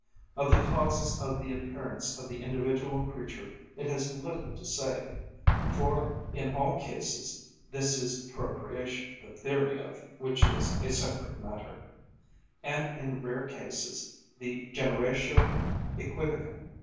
Of the causes of the appearance of the individual creature it has little to say, for in all cases this is procreation (the theory of which is a separate matter), and in rare cases the generatio æquivoca.